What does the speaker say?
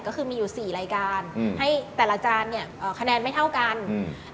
ก็คือมีอยู่สี่รายการอืมให้แต่ละจานเนี้ยเอ่อคะแนนไม่เท่ากันอืม